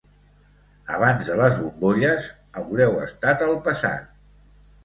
Abans de les bombolles, haureu estat al passat.